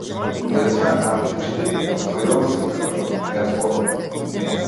Ние сме антички, од авион се гледа, не е спорно.